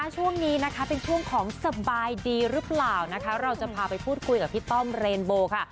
ช่วงนี้นะคะเป็นช่วงของสบายดีหรือเปล่านะคะเราจะพาไปพูดคุยกับพี่ต้อมเรนโบค่ะ